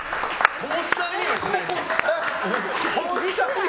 コースターにはしないでしょ。